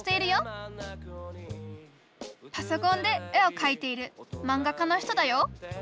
パソコンで絵をかいている漫画家の人だよ